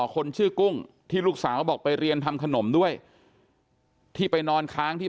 คนชื่อกุ้งที่ลูกสาวบอกไปเรียนทำขนมด้วยที่ไปนอนค้างที่